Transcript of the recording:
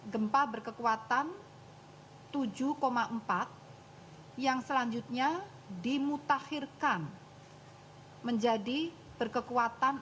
gempa berkekuatan tujuh empat yang selanjutnya dimutakhirkan menjadi berkekuatan empat